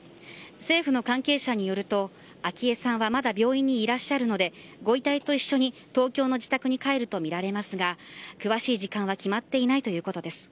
政府の関係者によると昭恵さんはまだ病院にいらっしゃるのでご遺体と一緒に東京の自宅に帰るとみられますが詳しい時間は決まっていないということです。